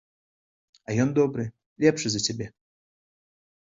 А ён добры, лепшы за цябе.